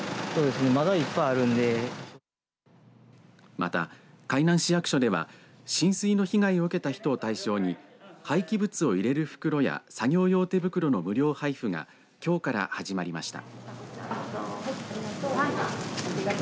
また海南市役所では浸水の被害受けた人を対象に廃棄物を入れる袋や作業用手袋の無料配布がきょうから始まりました。